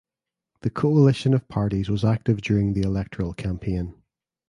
The coalition of parties was active during the electoral campaign.